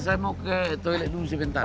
saya mau ke toilet dulu sebentar